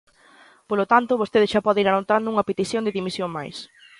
Polo tanto, vostede xa pode ir anotando unha petición de dimisión máis.